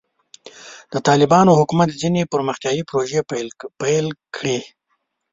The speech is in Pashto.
د طالبانو حکومت ځینې پرمختیایي پروژې پیل کړې.